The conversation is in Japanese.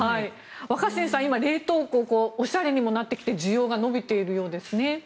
若新さん、今、冷凍庫おしゃれにもなってきて需要が伸びているようですね。